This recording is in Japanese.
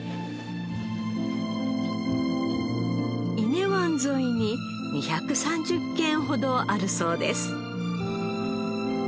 伊根湾沿いに２３０軒ほどあるそうです